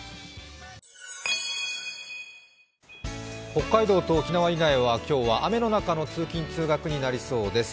北海道と沖縄以外は今日は雨の中の通勤になりそうです。